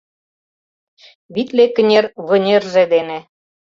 Витле кынер вынерже дене